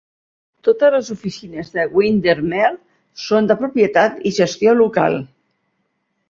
Totes les oficines de Windermere són de propietat i gestió local.